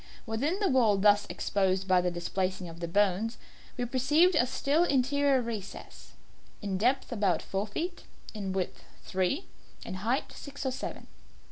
Within the wall thus exposed by the displacing of the bones, we perceived a still interior recess, in depth about four feet in width three, in height six or seven.